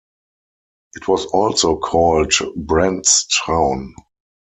It was also called Brant's Town.